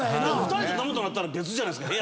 ２人で飲むとなったら別じゃないですか。